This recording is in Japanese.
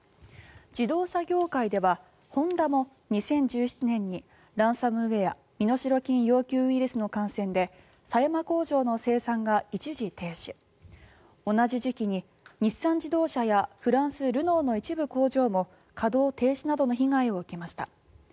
自動車業界ではホンダも２０１７年にランサムウェア身代金要求ウイルスの感染で狭山工場の生産が一時停止同じ時期に日産自動車、ルノーの一部工場も稼働停止などの被害を受けました。